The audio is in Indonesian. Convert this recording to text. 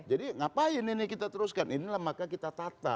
jadi ngapain ini kita teruskan inilah maka kita tata